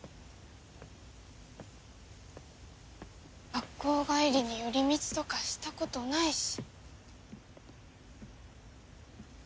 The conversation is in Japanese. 学校帰りに寄り道とかしたことないし。